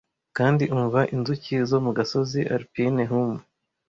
Kandi umva inzuki zo mu gasozi Alpine hum,